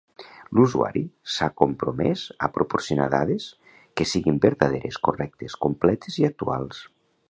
L'usuari s'ha compromès a proporcionar dades que siguin vertaderes, correctes, completes i actuals.